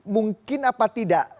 mungkin apa tidak